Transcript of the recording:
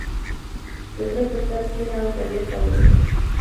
• د غره پر سر کښېنه او طبیعت ته وګوره.